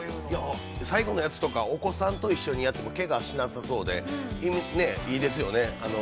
◆最後のやつとか、お子さんと一緒にやってもけがしなさそうで、いいですね。